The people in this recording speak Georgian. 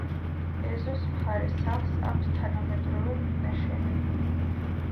ეზოს მხარეს სახლს აქვს თანამედროვე მინაშენი.